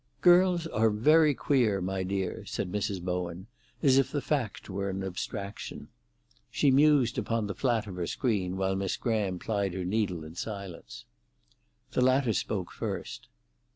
"Girls are very queer, my dear," said Mrs. Bowen, as if the fact were an abstraction. She mused upon the flat of her screen, while Miss Graham plied her needle in silence. The latter spoke first.